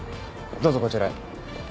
どうぞこちらへ。